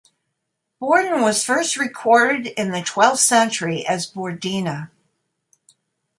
Borden was first recorded in the twelfth century as "Bordena".